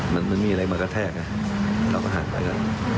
มันมีอะไรมากระแทกเราก็หันไปกัน